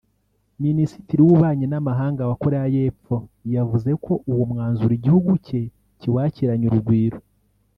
Minisitiri w’Ububanyi n’Amahanga wa Koreya y’Epfo yavuze ko uwo mwanzuro igihugu cye kiwakiranye urugwiro